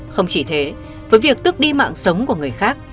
không chỉ thế với việc tức đi mạng sống của người khác